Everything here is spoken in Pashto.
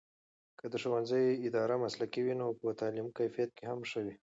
که د ښوونځي اداره مسلکي وي، نو به د تعلیم کیفیت هم ښه وي.